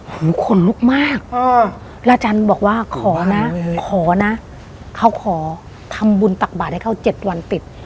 ขนลุกมากแล้วอาจารย์บอกว่าขอนะขอนะเขาขอทำบุญตักบาทให้เขา๗วันติด